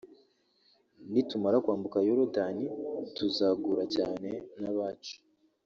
nitumara kwambuka yorodani tuzagura cyane nabacu